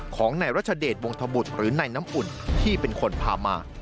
ของนายรัชเดชวงธบุตรหรือนายน้ำอุ่นที่เป็นคนพามา